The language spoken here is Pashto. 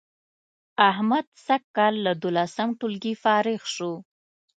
احمد سږ کال له دولسم ټولگي فارغ شو